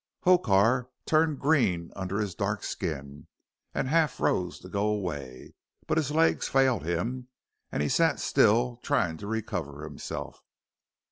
Hokar turned green under his dark skin, and half rose to go away, but his legs failed him, and he sat still trying to recover himself.